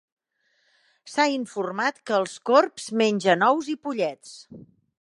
S'ha informat que els corbs mengen ous i pollets.